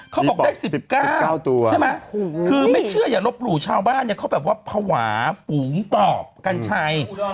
เขาบอกได้๑๙ตัวใช่ไหมคือไม่เชื่ออย่าลบหลู่ชาวบ้านเนี่ยเขาแบบว่าภาวะฝูงตอบกัญชัย